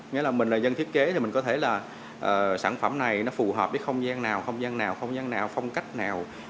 nghĩa là mình là dân thiết kế thì mình có thể là sản phẩm này nó phù hợp với không gian nào không gian nào không gian nào phong cách nào